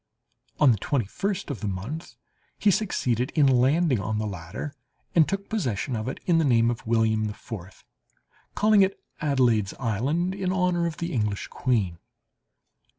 On the twenty first of the month he succeeded in landing on the latter, and took possession of it in the name of William IV, calling it Adelaide's Island, in honour of the English queen.